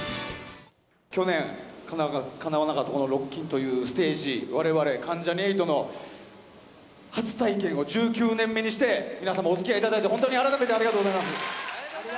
去年、かなわなかったこのロッキンというステージ、われわれ、関ジャニ∞の初体験を１９年目にして皆様、おつきあいいただいて、本当に改めてありがとうございます。